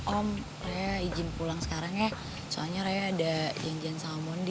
om raya izin pulang sekarang ya soalnya raya ada janjian sama mondi